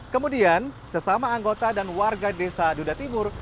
kemudian sesama anggota dan warga desa dudatimur